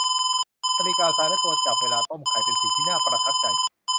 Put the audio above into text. นาฬิกาทรายและตัวจับเวลาต้มไข่เป็นสิ่งที่น่าประทับใจ